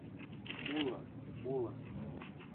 – Улы, улы.